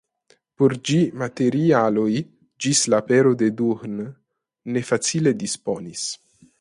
Por ĝi materialoj ĝis la apero de Duhn ne facile disponis.